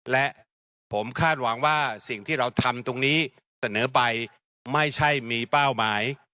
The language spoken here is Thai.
และผมคาดหวังว่าสิ่งที่เราทำตรงนี้เสนอไปไม่ใช่มีเป้าหมาย